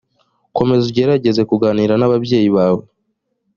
komeza ugerageze kuganira n ababyeyi bawe